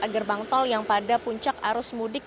gerbang tol yang pada puncak arus mudik